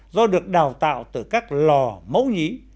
do được đào tạo từ các lò mẫu nhí